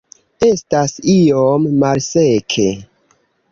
Estas iom malseke